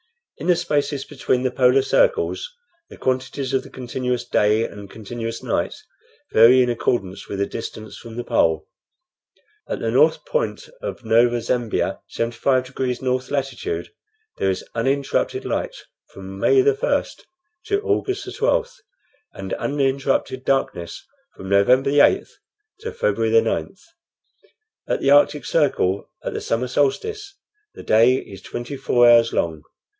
In the spaces between the polar circles the quantities of the continuous day and continuous night vary in accordance with the distance from the pole. At the north point of Nova Zembla, 75 degrees north latitude, there is uninterrupted light from May 1st to August 12th, and uninterrupted darkness from November 8th to February 9th. At the arctic circle at the summer solstice the day is twenty four hours long.